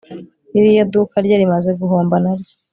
ririya duka rye rimaze guhomba naryo